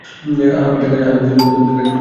আমি টাকা জমিয়েছি।